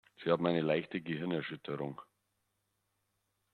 Sie haben eine leichte Gehirnerschütterung.